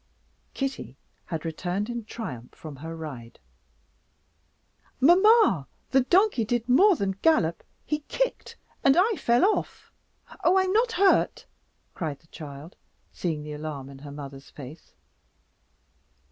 Kitty had returned in triumph from her ride. "Mamma! the donkey did more than gallop he kicked, and I fell off. Oh, I'm not hurt!" cried the child, seeing the alarm in her mother's face.